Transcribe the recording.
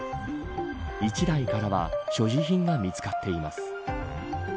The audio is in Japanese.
１台からは所持品が見つかっています。